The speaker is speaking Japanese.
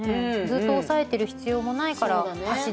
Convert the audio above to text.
ずっと押さえてる必要もないから走れるし。